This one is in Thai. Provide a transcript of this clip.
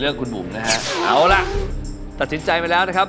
คุณบุ๋มนะฮะเอาล่ะตัดสินใจไปแล้วนะครับ